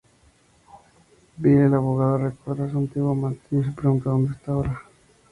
Bill, el abogado, recuerda a su antiguo amante y se pregunta dónde está ahora.